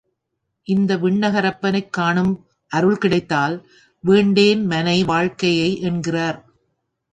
இவர் விண்ணகரப்பனைக் காணும் அருள் கிடைத்தால் வேண்டேன் மனை வாழ்க்கையை என்கிறார்.